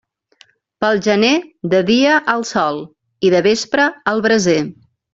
Pel gener, de dia al sol i de vespre al braser.